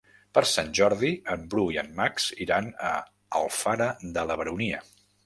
Per Sant Jordi en Bru i en Max iran a Alfara de la Baronia.